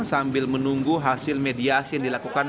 sambil menunggu hasil mediasi yang dilakukan